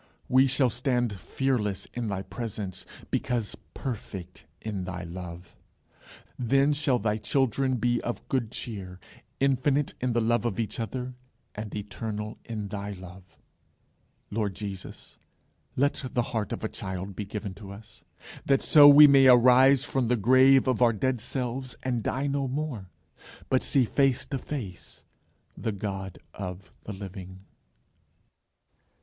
We shall stand fearless in thy presence, because perfect in thy love. Then shall thy children be of good cheer, infinite in the love of each other, and eternal in thy love. Lord Jesus, let the heart of a child be given to us, that so we may arise from the grave of our dead selves and die no more, but see face to face the God of the Living.